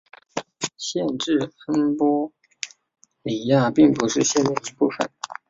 县治恩波里亚并不是县的一部分。